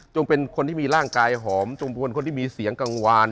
เป็นคนที่มีร่างกายหอมจงพลคนที่มีเสียงกังวาน